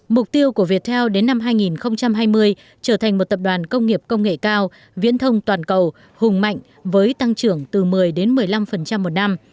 mục tiêu của viettel đến năm hai nghìn hai mươi trở thành một tập đoàn công nghiệp công nghệ cao viễn thông toàn cầu hùng mạnh với tăng trưởng từ một mươi đến một mươi năm một năm